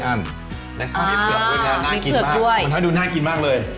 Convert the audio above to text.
มันให้ดูน่ากินมากเลย